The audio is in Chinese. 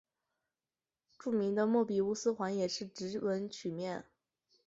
著名的莫比乌斯环也是直纹曲面。